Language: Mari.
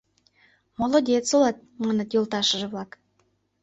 — Молодец улат, — маныт йолташыже-влак.